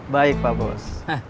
baik pak bos